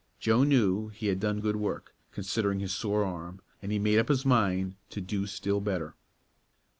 Joe knew he had done good work, considering his sore arm, and he made up his mind to do still better.